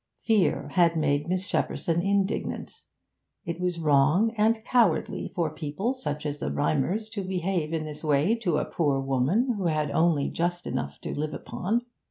Fear had made Miss Shepperson indignant; it was wrong and cowardly for people such as the Rymers to behave in this way to a poor woman who had only just enough to live upon.